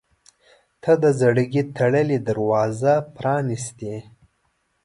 • ته د زړګي تړلې دروازه پرانستې.